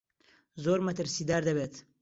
زۆر مەترسیدار دەبێت.